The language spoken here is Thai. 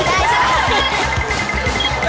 เตรียม